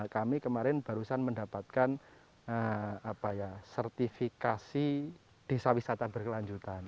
kami kemarin barusan mendapatkan sertifikasi desa wisata berkelanjutan